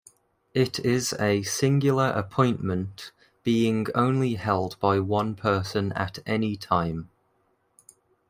It is a singular appointment, being only held by one person at any time.